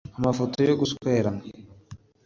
amafoto yo guswerana